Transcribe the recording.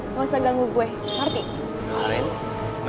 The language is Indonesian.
lo gak usah gangguin dia